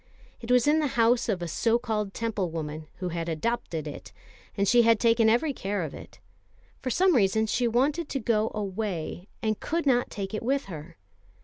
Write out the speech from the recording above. It was in the house of a so called Temple woman, who had adopted it, and she had taken every care of it. For some reason she wanted to go away, and could not take it with her.